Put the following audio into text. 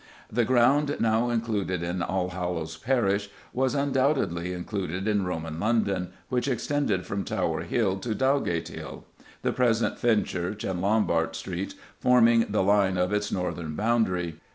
The ground now included in Allhallows parish was undoubtedly included in Roman London, which extended from Tower Hill to Dowgate Hill, the present Fenchurch and Lombard Streets forming the line of its northern boundary.